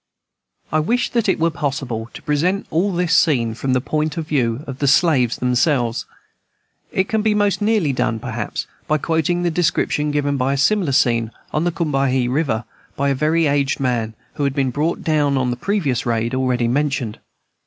I wish that it were possible to present all this scene from the point of view of the slaves themselves. It can be most nearly done, perhaps, by quoting the description given of a similar scene on the Combahee River, by a very aged man, who had been brought down on the previous raid, already mentioned.